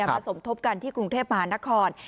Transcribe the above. สมทบกันที่กรุงเทพมหานคร